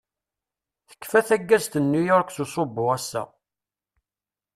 Tekfa taggazt n New York s usubbu ass-a.